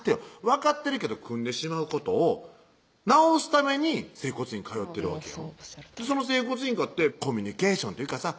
分かってるけど組んでしまうことを治すために整骨院通ってるわけよその整骨院かってコミュニケーションっていうかさ